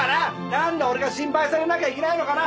なんで俺が心配されなきゃいけないのかな。